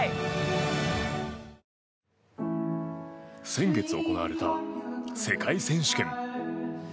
先月行われた世界選手権。